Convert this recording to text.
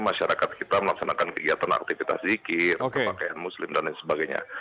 masyarakat kita melaksanakan kegiatan aktivitas zikir berpakaian muslim dan lain sebagainya